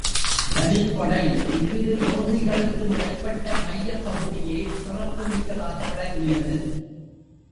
பலிக் கொடை இவ்விரு பகுதிகளுக்கும் இடைப்பட்ட மையப் பகுதியே சிறப்பு மிக்கதாக விளங்கியது.